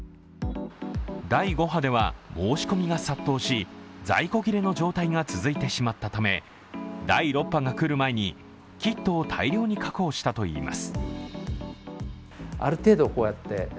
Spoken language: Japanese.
第５波では申し込みが殺到し在庫切れの状態が続いてしまったため第６波が来る前にキットを大量に確保したといいます。